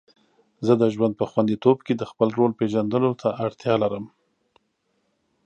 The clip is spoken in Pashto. زه د ژوند په خوندیتوب کې د خپل رول پیژندلو ته اړتیا لرم.